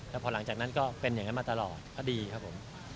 แล้วพอหลังจากนั้นก็เป็นอย่างนั้นมาตลอดก็ดีครับผม